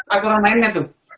akurang lainnya tuh